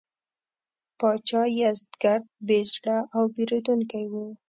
پاچا یزدګُرد بې زړه او بېرندوکی و.